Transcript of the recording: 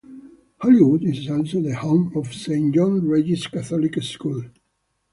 Hollywood is also the home of Saint John Regis Catholic School.